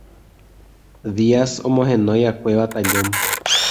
Díaz omoheñoiʼakue Batallón.